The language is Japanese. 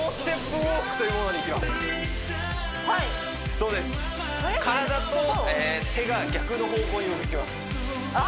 そうです体と手が逆の方向に動きますこう？